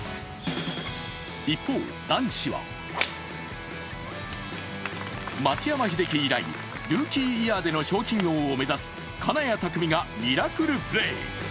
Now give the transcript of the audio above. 一方男子は松山英樹以来ルーキーイヤーでの賞金王を目指す金谷拓実がミラクルプレー。